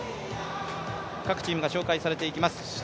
各チームが紹介されていきます。